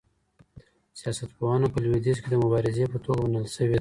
سياستپوهنه په لوېديځ کي د مبارزې په توګه منل سوې ده.